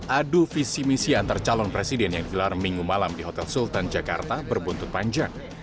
adu visi misi antar calon presiden yang gelar minggu malam di hotel sultan jakarta berbuntut panjang